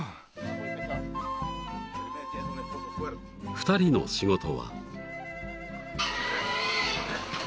［２人の仕事は］